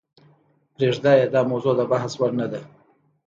پریږده یې داموضوع دبحث وړ نه ده .